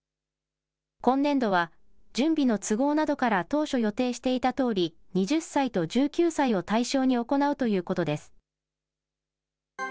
今年度は、準備の都合などから当初予定していたとおり、２０歳と１９歳を対象に行うということです。